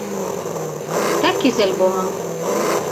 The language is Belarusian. Так і з альбомам.